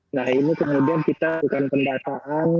nah ini kemudian kita lakukan pendataan